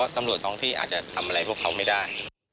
ที่อาจจะทำอะไรพวกเขาไม่ได้